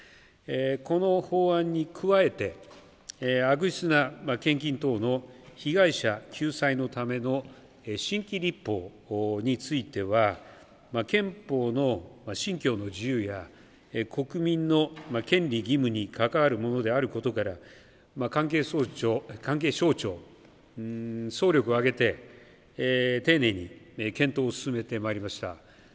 この法案に加えて、悪質な献金等の被害者救済のための新規立法については、憲法の信教の自由や、国民の権利、義務に関わることであることから、関係省庁、総力を挙げて、丁寧に検討を進めてまいりました。